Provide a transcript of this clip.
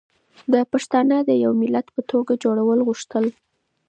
ده پښتانه د يو ملت په توګه جوړول غوښتل